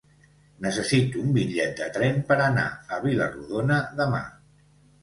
Necessito un bitllet de tren per anar a Vila-rodona demà.